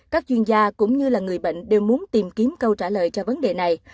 các chuyên gia cũng như là người bệnh đều muốn tìm kiếm câu trả lời cho vấn đề này